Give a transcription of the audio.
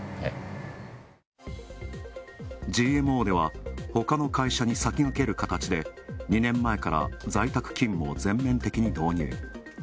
ＧＭＯでは、ほかの会社に先駆けるかたちで２年前から在宅勤務を全面的に導入。